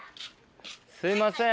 すいません。